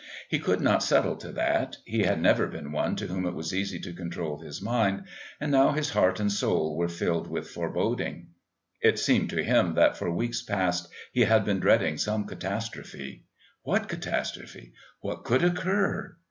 He could not settle to that; he had never been one to whom it was easy to control his mind, and now his heart and soul were filled with foreboding. It seemed to him that for weeks past he had been dreading some catastrophe. What catastrophe? What could occur?